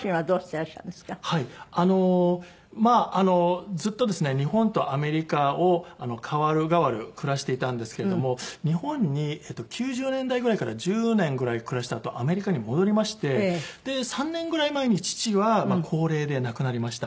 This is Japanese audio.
まあずっとですね日本とアメリカを代わる代わる暮らしていたんですけども日本に９０年代ぐらいから１０年ぐらい暮らしたあとアメリカに戻りましてで３年ぐらい前に父は高齢で亡くなりました。